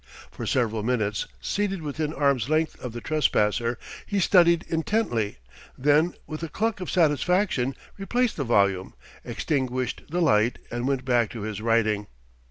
For several minutes, seated within arm's length of the trespasser, he studied intently, then with a cluck of satisfaction replaced the volume, extinguished the light, and went back to his writing.